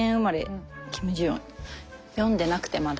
読んでなくてまだ。